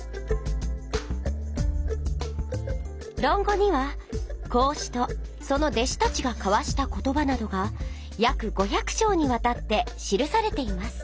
「論語」には孔子とその弟子たちが交わした言葉などがやく５００しょうにわたって記されています。